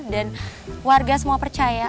dan warga semua percaya